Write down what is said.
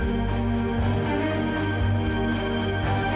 ya allah ayah